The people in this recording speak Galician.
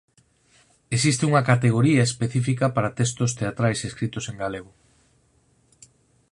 Existe unha categoría específica para textos teatrais escritos en galego.